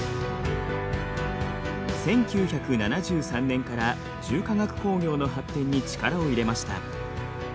１９７３年から重化学工業の発展に力を入れました。